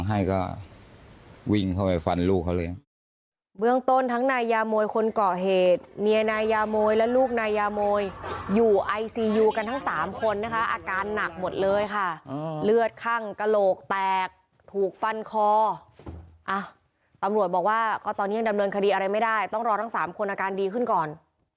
เหมือนลูกเขาเลย